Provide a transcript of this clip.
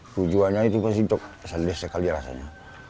tujuannya itu pasti sedih sekali rasanya